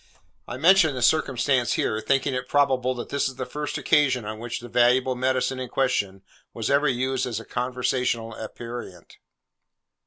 I mention the circumstance here, thinking it probable that this is the first occasion on which the valuable medicine in question was ever used as a conversational aperient.